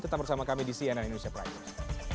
tetap bersama kami di cnn indonesia prime news